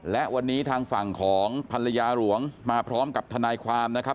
และวันนี้ทางฝั่งของภรรยาหลวงมาพร้อมกับทนายความนะครับ